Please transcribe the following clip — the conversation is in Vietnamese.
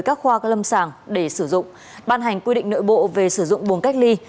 các khoa lâm sàng để sử dụng ban hành quy định nội bộ về sử dụng buồng cách ly